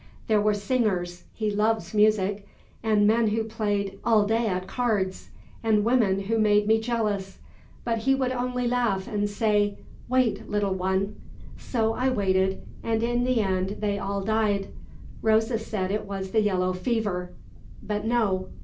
There were singers he loves music and men who played all day at cards, and women who made me jealous. But he would only laugh and say, 'Wait, little one.' So I waited, and in the end they all died. Rosa said it was the yellow fever; but no."